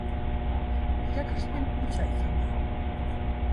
Irakaspen hutsa izan da!